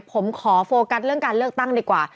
ผมขอโฟกัสเรื่องการเลือกตั้งดีกว่า